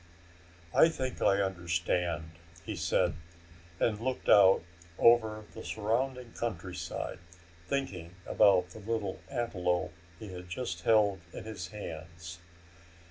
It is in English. "I think I understand," he said, and looked out over the surrounding countryside, thinking about the little antelope he had just held in his hands.